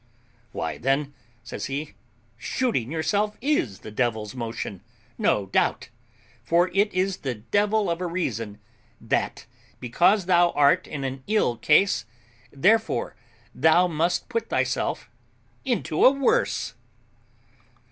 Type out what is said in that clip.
"Why, then," says he, "shooting yourself is the devil's motion, no doubt; for it is the devil of a reason, that, because thou art in an ill case, therefore thou must put thyself into a worse."